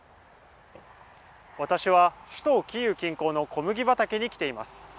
私は首都キーウ近郊の小麦畑に来ています。